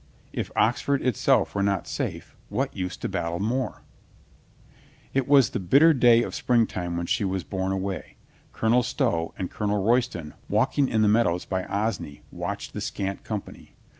If Ox ford itself were not safe, what use to battle more ? It was a bitter day of springtime when she was borne away. Colonel Stow and Colonel Royston, walking in the meadows by Osney, watched the scant company.